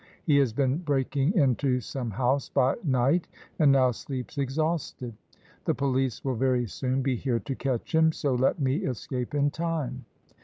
He has been breaking into some house by night and now sleeps exhausted. The police will very soon be here to catch him, so let me escape in time."